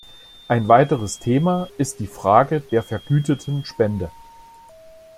Ein weiteres Thema ist die Frage der vergüteten Spende.